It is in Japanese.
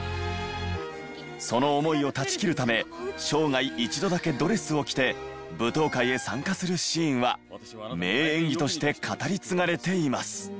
その思いを断ち切るため生涯一度だけドレスを着て舞踏会へ参加するシーンは名演技として語り継がれています。